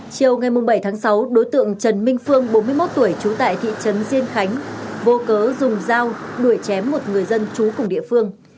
chiều ngày bảy tháng sáu đối tượng trần minh phương bốn mươi một tuổi trú tại thị trấn diên khánh vô cớ dùng dao đuổi chém một người dân trú cùng địa phương